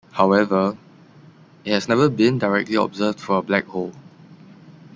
However, it has never been directly observed for a black hole.